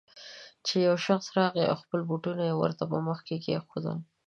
چې يو شخص راغی او خپل بوټونه يې ورته په مخ کې کېښودل.